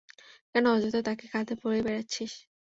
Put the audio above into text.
কেন অযথা তাকে কাধে বয়ে বোড়াচ্ছিস?